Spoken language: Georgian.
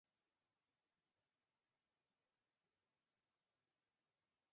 საბჭოთა კავშირის დროს, ეკლესია გაძარცვეს და შენობა გამოიყენებოდა სათავსოდ.